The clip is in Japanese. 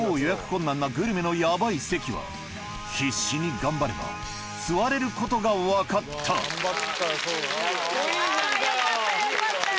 困難なグルメのヤバい席は必死に頑張れば座れることが分かったカッコいいじゃんかよ。